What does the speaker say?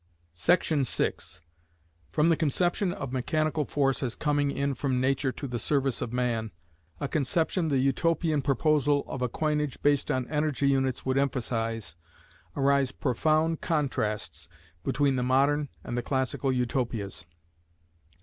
Section 6 From the conception of mechanical force as coming in from Nature to the service of man, a conception the Utopian proposal of a coinage based on energy units would emphasise, arise profound contrasts between the modern and the classical Utopias.